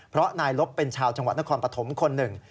เพราะนายลบเป็นชาวจังหวัดนครปฐมคนหนึ่ง